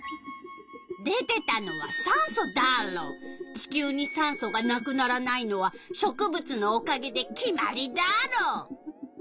地球に酸素がなくならないのは植物のおかげで決まりダーロ！